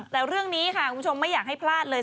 แต่เรื่องนี้ค่ะคุณผู้ชมไม่อยากให้พลาดเลย